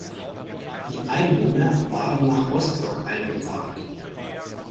Die Einwohner waren nach Ostrog eingepfarrt.